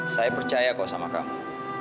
saya percaya kok sama kamu